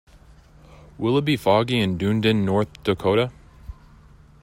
Will it be foggy in Dunedin North Dakota?